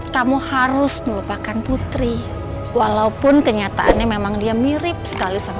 kamu harus melupakan putri walaupun kenyataannya memang dia mirip sekali sama